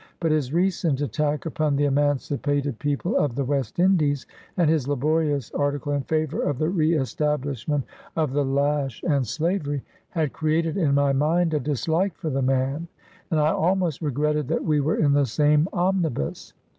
But his recent attack upon the emancipated people of the West Indies, and his laborious article in favor of the reestablish ment of the lash and slavery, had created in my mind a dislike for the man, and I almost regretted that we were in the same omnibus.